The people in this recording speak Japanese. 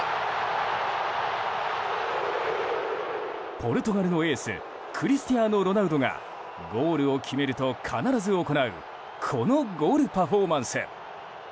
ポルトガルのエースクリスティアーノ・ロナウドがゴールを決めると、必ず行うこのゴールパフォーマンス。